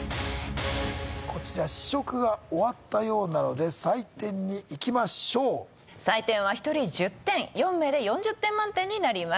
こちら試食が終わったようなので採点にいきましょう採点は１人１０点４名で４０点満点になります